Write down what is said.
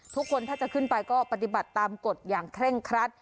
ทุกคนถ้าจะขึ้นไปก็ปฏิบัติตามกฎอย่างเคร่งครัด